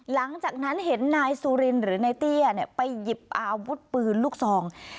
หลังจากนั้นเห็นนายสุรินหรือนายเตี้ยไปหยิบอาวุธปืนลูกซอง